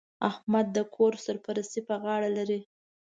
احمد د کورنۍ سرپرستي په غاړه لري